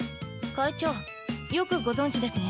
会長よくご存じですね。